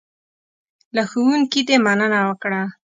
له ښوونکي دې مننه وکړه .